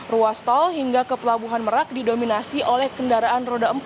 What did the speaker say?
ruas tol hingga ke pelabuhan merak didominasi oleh kendaraan roda empat